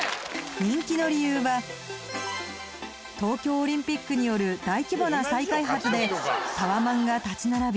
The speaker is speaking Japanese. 人気の理由は東京オリンピックによる大規模な再開発でタワマンが立ち並び